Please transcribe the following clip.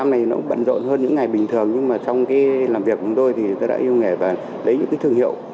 những ngày bình thường trong làm việc của tôi tôi đã yêu nghề và lấy những thương hiệu